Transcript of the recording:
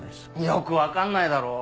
よく分かんないだろ？